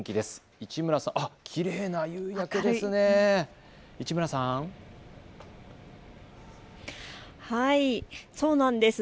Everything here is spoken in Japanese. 市村さん、きれいな夕焼けですね。